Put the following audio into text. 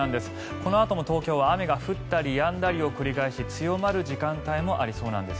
このあとも東京は雨が降ったりやんだりを繰り返し強まる時間帯もありそうなんです。